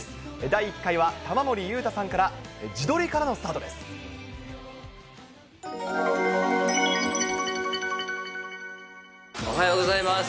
第１回は玉森裕太さんから、自撮りからのスタートです。